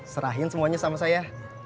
serahin semuanya sama saya